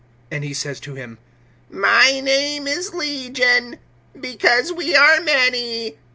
And he says to him: My name is Legion; because we are many.